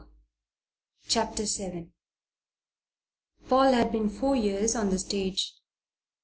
CHAPTER VII PAUL had been four years on the stage.